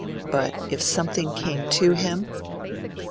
But, if something came to him